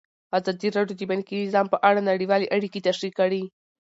ازادي راډیو د بانکي نظام په اړه نړیوالې اړیکې تشریح کړي.